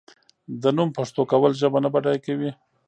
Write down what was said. د نوم پښتو کول ژبه نه بډای کوي.